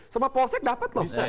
sama polsek dapat loh